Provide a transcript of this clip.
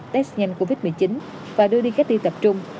test nhanh covid một mươi chín và đưa đi cách ly tập trung